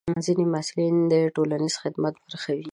ځینې محصلین د ټولنیز خدمت برخه وي.